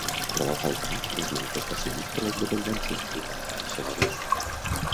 Trobo a faltar les manifestacions per la independència i cantar els segadors